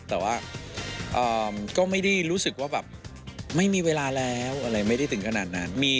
แต่ว่าก็ไม่ได้รู้สึกว่าแบบไม่มีเวลาแล้วอะไรไม่ได้ถึงขนาดนั้น